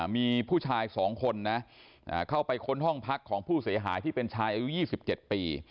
มีผู้ชาย๒คนนะเข้าไปค้นห้องพักของผู้เสียหายที่เป็นชายอายุ๒๗ปี